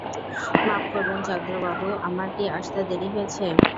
মাপ করবেন চন্দ্রবাবু, আমার কি আসতে দেরি হয়েছে?